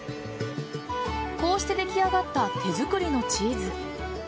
こうして出来上がった手作りのチーズ。